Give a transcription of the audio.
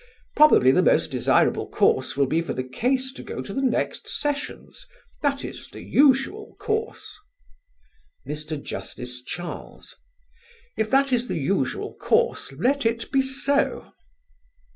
Probably the most desirable course will be for the case to go to the next sessions. That is the usual course." Mr. Justice Charles: "If that is the usual course, let it be so."